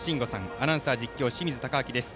アナウンサー、実況は清水敬亮です。